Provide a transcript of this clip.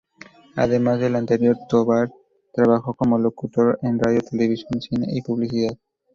Además de lo anterior, Tovar trabajó como locutor en radio, televisión, cine y publicidad.